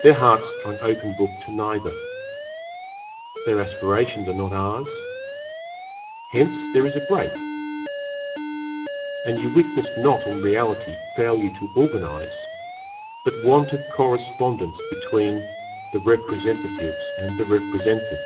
Their hearts are an open book to neither. Their aspirations are not ours. Hence there is a break. And you witness not in reality failure to organise but want of correspondence between the representatives and the represented.